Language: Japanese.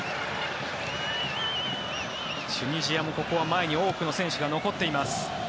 チュニジアもここは前に多くの選手が残っています。